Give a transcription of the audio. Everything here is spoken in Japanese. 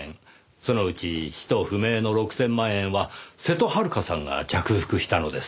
そのうち使途不明の６千万円は瀬戸はるかさんが着服したのです。